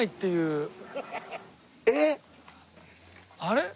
あれ？